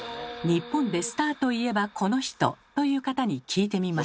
日本でスターといえばこの人！という方に聞いてみました。